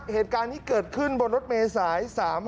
เหตุการณ์นี้เกิดขึ้นบนรถเมษาย๓๔